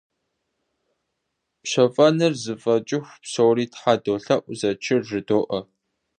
Пщэфӏэныр зэфӏэкӏыху, псори тхьэ долъэӏу, зэчыр жыдоӏэ.